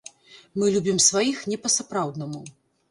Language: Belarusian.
Мы любім сваіх не па-сапраўднаму.